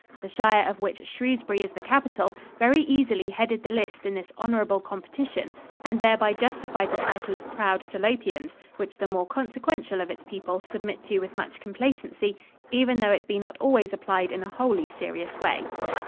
The shire of which Shrewsbury is the capital very easily headed the list in this honorable competition and thereby justified the title of 'proud Salopians,' which the more consequential of its people submit to with much complacency, even though it be not always applied in a wholly serious way."